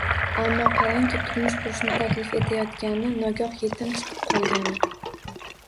Ammo qarangki, turmush qurishni taklif etayotgani nogoh yetim chiqib qolgani